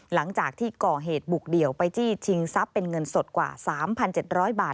หลังจากที่ก่อเหตุบุกเดี่ยวไปจี้ชิงทรัพย์เป็นเงินสดกว่า๓๗๐๐บาท